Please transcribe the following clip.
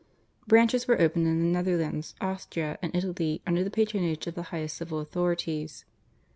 Branches were opened in the Netherlands, Austria, and Italy under the patronage of the highest civil authorities.